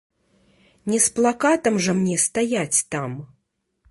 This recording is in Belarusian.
Не з плакатам жа мне стаяць там.